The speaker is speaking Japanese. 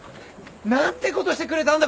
何てことしてくれたんだ！